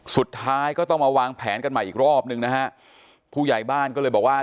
สุดท้ายก็ต้องมาวางแผนกันใหม่อีกรอบนึงนะฮะผู้ใหญ่บ้านก็เลยบอกว่า